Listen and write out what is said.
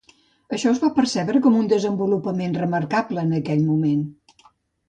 Això es va percebre com un desenvolupament remarcable en aquell moment.